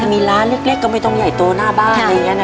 มีร้านเล็กก็ไม่ต้องใหญ่โตหน้าบ้าน